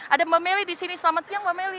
ada mbak meli di sini selamat siang mbak melly